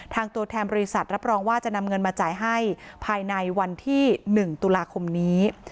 ตัวแทนบริษัทรับรองว่าจะนำเงินมาจ่ายให้ภายในวันที่๑ตุลาคมนี้